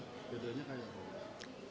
beda bedanya kaya apa